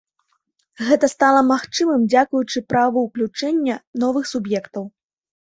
Гэта стала магчымым дзякуючы праву ўключэння новых суб'ектаў.